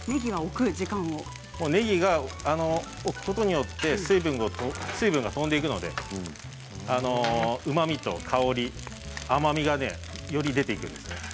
ねぎは置くことによって水分が飛んでいくのでうまみと香り、甘みがより出ていくんです。